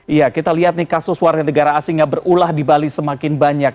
iya kita lihat nih kasus warga negara asing yang berulah di bali semakin banyak